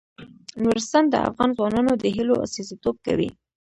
نورستان د افغان ځوانانو د هیلو استازیتوب کوي.